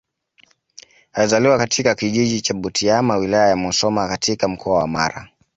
Alizaliwa katika kijiji cha Butiama Wilaya ya Musoma katika Mkoa wa Mara